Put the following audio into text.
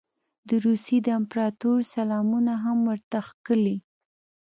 د روسیې د امپراطور سلامونه هم ورته کښلي.